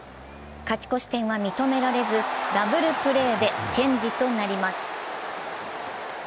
勝ち越し点は認められずダブルプレーでチェンジとなります。